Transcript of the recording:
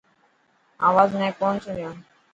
آواز هئي ڪون سڻيو.